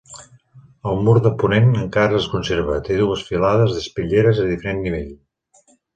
El mur de ponent encara es conserva, té dues filades d'espitlleres a diferent nivell.